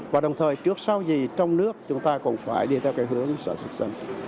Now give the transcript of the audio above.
và đồng thời trước sau gì trong nước chúng ta còn phải đi theo cái hướng sản xuất xanh